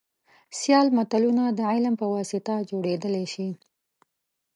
سیال ملتونه دعلم په واسطه جوړیدلی شي